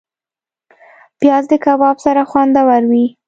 پیاز د کباب سره خوندور وي